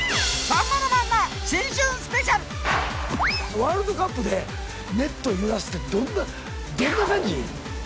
ワールドカップでネット揺らすってどんな感じ？